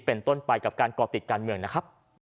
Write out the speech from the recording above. เป็นต้นไปกับการก่อติดการเมืองนะครับ